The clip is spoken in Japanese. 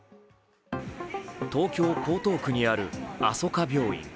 東京・江東区にあるあそか病院。